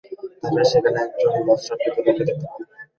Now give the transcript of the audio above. তারা সেখানে একজন বস্ত্রাবৃত লোককে দেখতে পান।